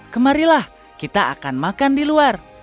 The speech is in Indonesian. kemarilah kita akan makan di luar